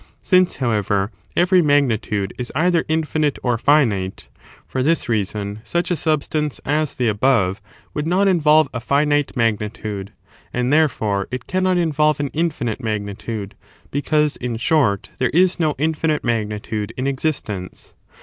Since, however, every magnitude is either infinite or finite, for this reason such a Substance as the above would not involve a finite magnitude, and therefore it cannot involve an infinite, magnitude, because, in short, there is no infinite magnitude in existence.